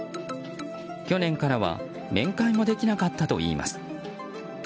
去年からは面会もできなかったといいます。